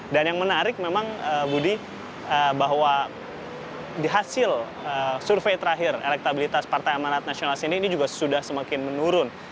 dan yang menarik memang budi bahwa di hasil survei terakhir elektabilitas partai emirat nasional ini juga sudah semakin menurun